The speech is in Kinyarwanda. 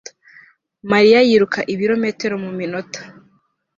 Mariya yiruka ibirometero mu minota